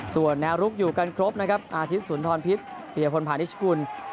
ส่วนแนวลุกอยู่กันครบนะครับอาทิตย์สุนทรพิษปียพลพานิชกุล